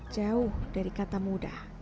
jauh dari kata mudah